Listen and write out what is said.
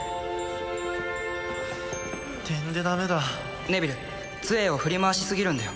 てんでダメだネビル杖を振り回しすぎるんだよ